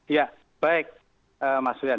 ya baik mas julian